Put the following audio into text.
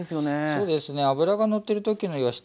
そうですね脂がのってる時のいわし